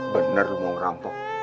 bener lu mau ngerampok